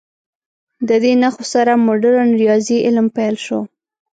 د دې نښو سره مډرن ریاضي علم پیل شو.